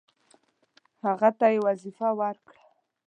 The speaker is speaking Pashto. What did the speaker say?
هغه ته یې وظیفه ورکړه.